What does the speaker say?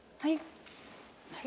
はい。